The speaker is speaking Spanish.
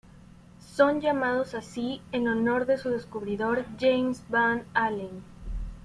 Son llamados así en honor de su descubridor, James Van Allen.